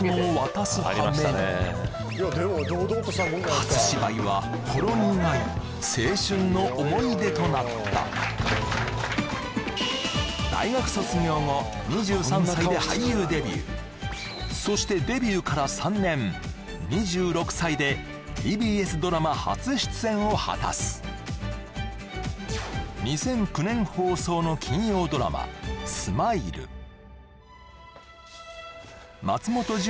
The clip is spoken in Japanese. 初芝居はほろ苦い青春の思い出となった大学卒業後２３歳で俳優デビューそしてデビューから３年を果たす２００９年放送の金曜ドラマ松本潤